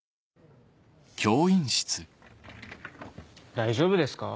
大丈夫ですか？